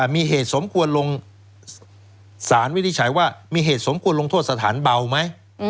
มีเหตุสมควรลงสารวินิจฉัยว่ามีเหตุสมควรลงโทษสถานเบาไหม